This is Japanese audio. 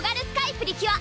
プリキュア